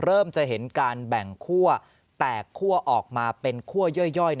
เริ่มจะเห็นการแบ่งคั่วแตกคั่วออกมาเป็นคั่วย่อย